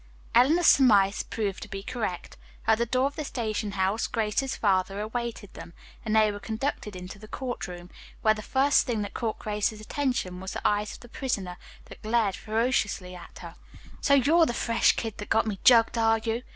Eleanor's surmise proved to be correct. At the door of the station house, Grace's father awaited them, and they were conducted into the court room, where the first thing that caught Grace's attention was the eyes of the prisoner, that glared ferociously at her. "So you're the fresh kid that got me jugged, are you!"